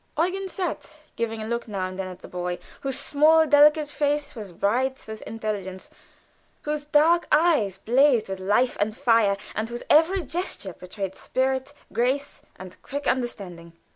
Eugen sat, giving a look now and then at the boy, whose small, delicate face was bright with intelligence, whose dark eyes blazed with life and fire, and whose every gesture betrayed spirit, grace, and quick understanding.